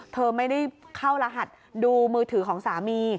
เธอไม่ได้เข้ารหัสดูมือถือของสามี